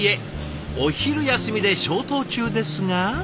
お昼休みで消灯中ですが。